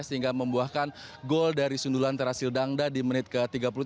sehingga membuahkan gol dari sundulan terasil dangda di menit ke tiga puluh tiga